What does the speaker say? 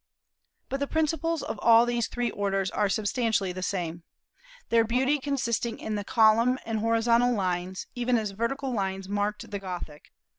But the principles of all these three orders are substantially the same, their beauty consisting in the column and horizontal lines, even as vertical lines marked the Gothic.